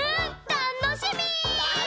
たのしみ！